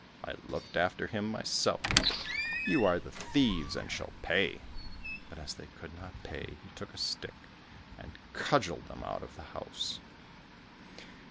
I looked after him myself; you are the thieves and shall pay!" But as they could not pay, he took a stick, and cudgeled them out of the house.